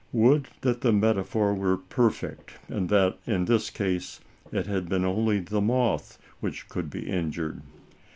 Would that the meta phor were perfect, and that, in this case, it had been only the moth which could be injured.